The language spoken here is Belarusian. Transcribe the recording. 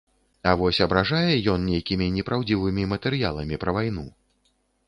А вось абражае ён нейкімі непраўдзівымі матэрыяламі пра вайну?